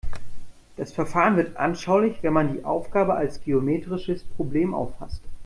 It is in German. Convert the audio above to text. Das Verfahren wird anschaulich, wenn man die Aufgabe als geometrisches Problem auffasst.